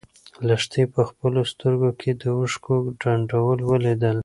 لښتې په خپلو سترګو کې د اوښکو ډنډول ولیدل.